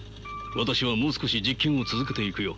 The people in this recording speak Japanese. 私はもう少し実験を続けていくよ。